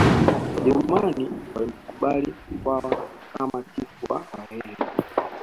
Wajerumani walimkubali Mkwawa kama chifu wa Wahehe